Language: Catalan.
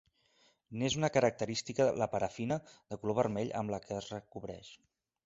N'és una característica la parafina de color vermell amb la que es recobreix.